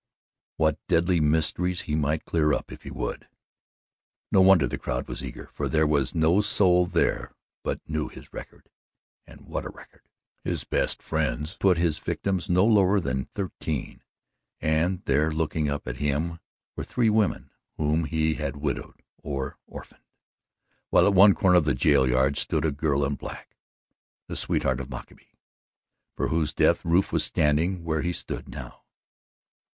What deadly mysteries he might clear up if he would! No wonder the crowd was eager, for there was no soul there but knew his record and what a record! His best friends put his victims no lower than thirteen, and there looking up at him were three women whom he had widowed or orphaned, while at one corner of the jail yard stood a girl in black the sweetheart of Mockaby, for whose death Rufe was standing where he stood now.